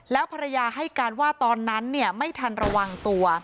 แล้วภรรยาให้การว่าตอนนั้นไม่ทันระวังตัว